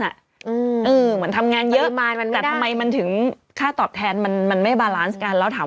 เหมือนทำงานเยอะแต่ทำไมมันถึงค่าตอบแทนมันไม่บาแลนซ์กัน